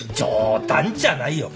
冗談じゃないよ。